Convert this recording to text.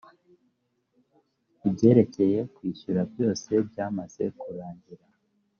ibyerekeye kwishyura byose byamaze kurangira.